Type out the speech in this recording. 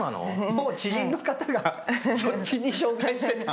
もう知人の方がそっちに紹介してた？